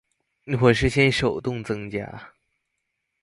我是先手動增加